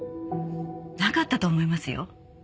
なかったと思いますよ。